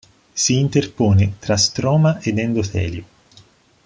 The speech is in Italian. Si interpone tra stroma ed endotelio.